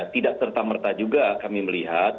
tidak tertamerta juga kami melihat